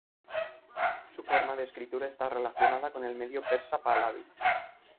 Su forma de escritura está relacionada con el medio persa pahlavi.